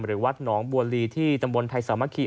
วัดหนองบัวลีที่ตำบลไทยสามัคคี